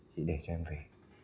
chị để cho em về